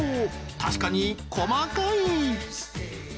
確かに細かい！